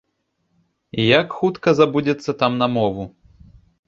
І як хутка забудзецца там на мову?